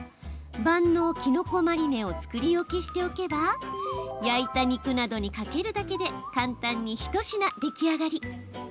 万能きのこマリネを作り置きしておけば焼いた肉などにかけるだけで簡単に一品、出来上がり！